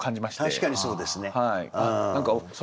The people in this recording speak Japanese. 確かにそうですね。